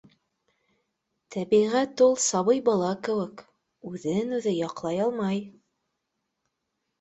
Тәбиғәт ул — сабый бала кеүек, үҙен-үҙе яҡ лай алмай